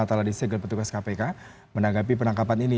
atal di segel petugas kpk menanggapi penangkapan ini